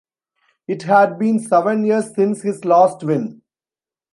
It had been seven years since his last win.